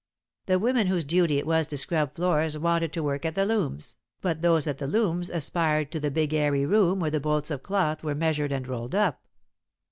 The women whose duty it was to scrub floors wanted to work at the looms, but those at the looms aspired to the big airy room where the bolts of cloth were measured and rolled up.